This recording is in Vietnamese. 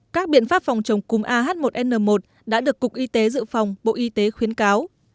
các biện pháp phòng chống cúm ah một n một đã được cục y tế dự phòng bộ y tế khuyến cáo